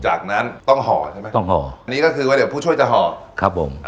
จากนั้นต้องห่อใช่ไหมต้องห่ออันนี้ก็คือว่าเดี๋ยวผู้ช่วยจะห่อครับผม